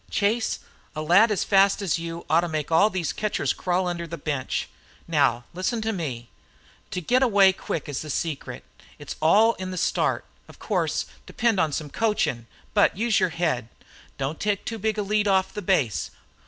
"Chase, a lad as fast as you ought to make all these catchers crawl under the bench. Now, listen to me. To get away quick is the secret. It's all in the start. Of course, depend some on coachin', but use your head. Don't take too big a lead off the base.